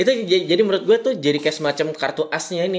itu jadi menurut gue tuh jadi kayak semacam kartu asnya ini